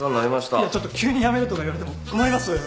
いやちょっと急に辞めるとか言われても困ります。